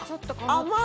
甘い！